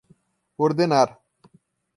Ordenar!